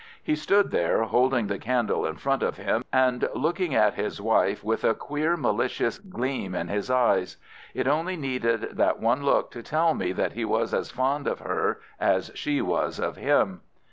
He stood there, holding the candle in front of him, and looking at his wife with a queer, malicious gleam in his eyes. It only needed that one look to tell me that he was as fond of her as she was of him.